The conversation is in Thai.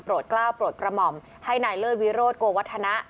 กล้าวโปรดกระหม่อมให้นายเลิศวิโรธโกวัฒนะ